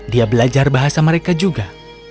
dia belajar bahasa mereka juga